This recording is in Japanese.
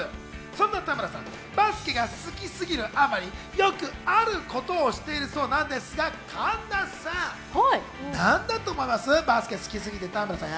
そんな田村さん、バスケが好きすぎるあまり、よくあることをしているそうなんですが、神田さん、なんだと思います？